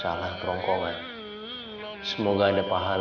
dimana tumangku lagi tutaj rachel